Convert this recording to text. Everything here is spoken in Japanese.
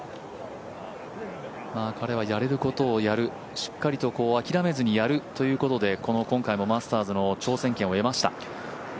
彼はやれることをやるしっかりと諦めずにやるということで、今回のマスターズの挑戦権を得ました。